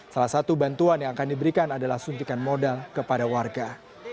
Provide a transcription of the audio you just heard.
salah satu bantuan yang akan diberikan adalah suntikan modal kepada warga